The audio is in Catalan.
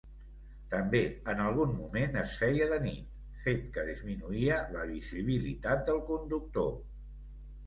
També, en algun moment es feia de nit, fet que disminuïa la visibilitat del conductor.